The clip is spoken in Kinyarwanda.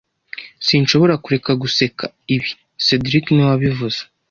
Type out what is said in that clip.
Sinshobora kureka guseka ibi cedric niwe wabivuze